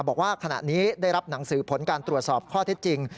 บอกว่าขณะนี้ได้รับหนังสือผลการตรวจสอบข้อเท็จจริง